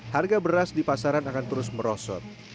harga beras di pasaran akan terus merosot